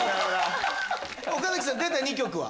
岡崎さん出た２曲は。